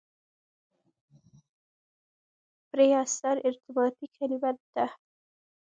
پرې اصلاً ارتباطي کلیمه ده.